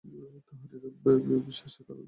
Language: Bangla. তাঁহার এরূপ বিশ্বাসেরও কারণ আছে।